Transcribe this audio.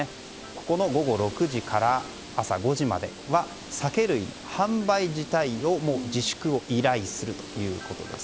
午後６時から朝５時までは酒類の販売自体を自粛を依頼するということです。